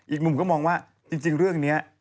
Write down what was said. อีกมุมก็มองว่าจริงเรื่องนี้